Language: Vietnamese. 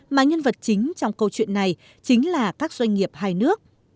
mà nhân vật chính trong câu chuyện này chính là các doanh nghiệp hai nước